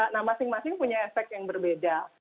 nah masing masing punya efek yang berbeda